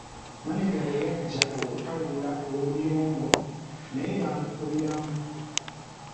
Maneja bwe yajja okutaawulula oluyombo naye baamukubiramu.